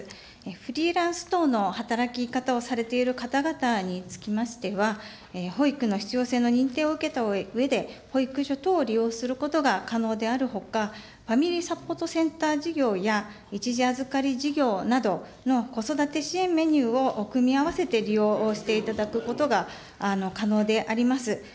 フリーランス等の働き方をされている方々につきましては、保育の必要性の認定を受けたうえで、保育所等を利用することが可能であるほか、ファミリーサポートセンター事業や、一時預かり事業などの子育て支援メニューを組み合わせて利用していただくことが可能であります。